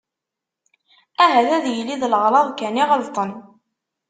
Ahat ad yili d leɣlaḍ kan i ɣelṭen.